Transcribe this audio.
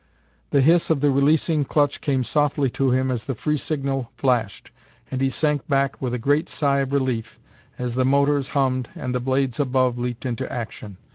The hiss of the releasing clutch came softly to him as the free signal flashed, and he sank back with a great sigh of relief as the motors hummed and the blades above leaped into action.